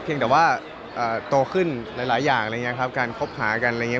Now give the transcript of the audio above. เพียงแต่ว่าโตขึ้นหลายอย่างประมาณการคบเป้าะกัน